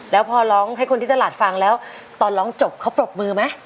แล้วพอร้องให้คนที่ตลาดฟังแล้วตอนร้องจบเขาปรบมือไหม